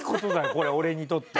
これは俺にとって。